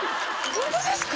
ホントですか？